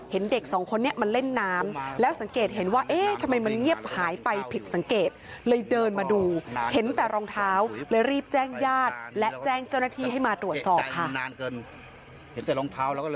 เห็นเด็กสองคนนี้มาเล่นน้ำแล้วสังเกตเห็นว่าเอ๊ะทำไมมันเงียบหายไปผิดสังเกตเลยเดินมาดูเห็นแต่รองเท้าเลยรีบแจ้งญาติและแจ้งเจ้าหน้าที่ให้มาตรวจสอบค่ะ